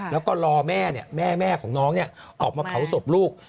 แล้วก็รอแม่แม่ของน้องออกมาเผาศพลูก